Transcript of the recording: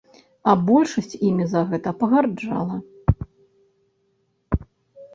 А большасць імі за гэта пагарджала.